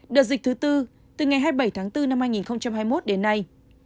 đợt dịch thứ tư từ ngày hai mươi bảy tháng bốn năm hai nghìn hai mươi một đến nay